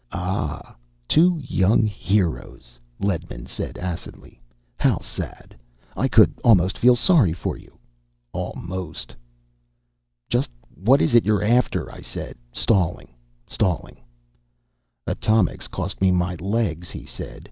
"Ah two young heroes," Ledman said acidly. "How sad. I could almost feel sorry for you. Almost." "Just what is it you're after?" I said, stalling, stalling. "Atomics cost me my legs," he said.